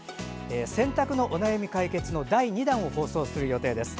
洗濯のお悩み解決の第２弾を放送する予定です。